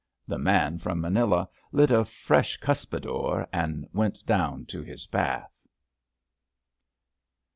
The man from Manila lit a fresh Cuspidore and went down to his bath.